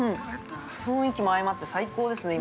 雰囲気も相まって最高ですね、今。